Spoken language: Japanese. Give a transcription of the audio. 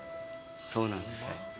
そうなんです。